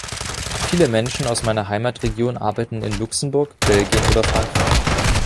Viele Menschen aus meiner Heimatregion arbeiten in Luxemburg, Belgien oder Frankreich.